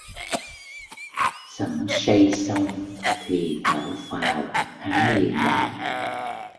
Xẩm Say xong thì thở phào hắn liền đáp